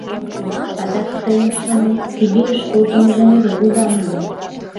— Адак, тыйым шонен, Сибирьыш колтымыжым эре лудам ыле.